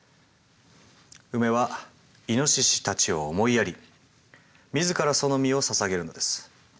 ウメはイノシシたちを思いやり自らその身をささげるのです。